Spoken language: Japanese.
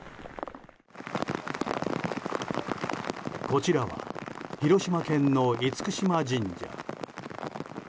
こちらは広島県の厳島神社。